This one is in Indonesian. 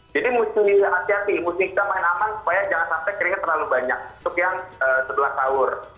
jadi mesti hati hati mesti kita main aman supaya jangan sampai keringat terlalu banyak untuk yang sebelah tawur